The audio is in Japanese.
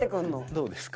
どうですか？